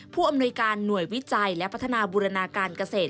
ผู้อำนวยการหน่วยวิจัยและพัฒนาบูรณาการเกษตร